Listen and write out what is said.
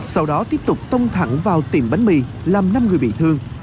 sau đó tiếp tục tông thẳng vào tiệm bánh mì làm năm người bị thương